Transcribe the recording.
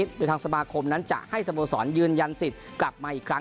หรือทางสมาคมนั้นจะให้สโมสรยืนยันสิทธิ์กลับมาอีกครั้ง